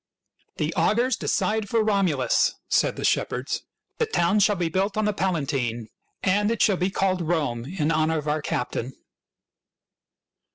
" The augurs decide for Romulus," said the shepherds. " The town shall be built on the Pala tine, and it shall be called Rome in honor of our captain."